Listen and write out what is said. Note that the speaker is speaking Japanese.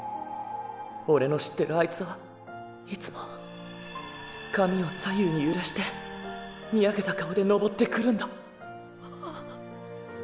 オレの知ってるアイツはいつも髪を左右に揺らしてニヤけた顔で登ってくるんだ！あ。